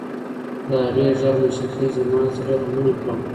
د هغې د غږ موسیقۍ زما د زړه غمونه کم کړل.